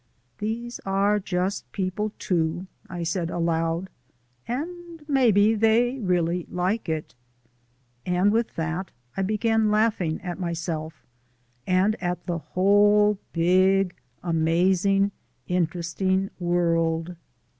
"These are just people, too," I said aloud "and maybe they really like it!" And with that I began laughing at myself, and at the whole, big, amazing, interesting world.